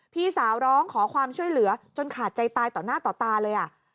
พี่สาวร้องขอความช่วยเหลือจนขาดใจตายต่อหน้าต่อตาเลย